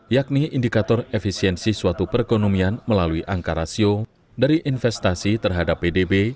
yakni indikator efisiensi suatu perekonomian melalui angka rasio dari investasi terhadap pdb